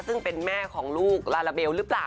ซึ่งเป็นแม่ของลูกลาลาเบลหรือเปล่า